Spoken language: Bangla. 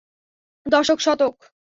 দশক, শতক।